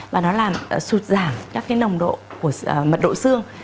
và nó làm sụt giảm các cái nồng độ của mật độ xương